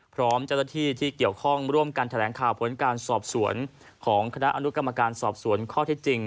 พร้อมเจ้าหน้าที่ที่เกี่ยวข้องร่วมกันแถลงข่าวผลการสอบสวนของคณะอนุกรรมการสอบสวนข้อเท็จจริง